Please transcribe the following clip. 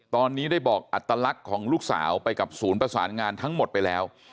ตอนนี้ได้บอกอัตลักษณ์ของลูกสาวไปกับศูนย์ประสานงานทั้งหมดไปแล้ว